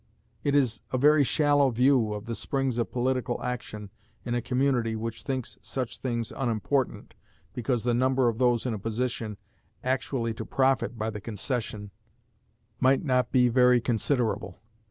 It is a very shallow view of the springs of political action in a community which thinks such things unimportant because the number of those in a position actually to profit by the concession might not be very considerable.